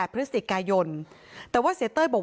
เพลงที่สุดท้ายเสียเต้ยมาเสียชีวิตค่ะ